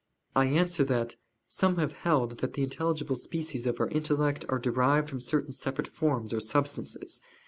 I answer that, Some have held that the intelligible species of our intellect are derived from certain separate forms or substances.